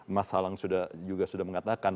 mas salang juga sudah mengatakan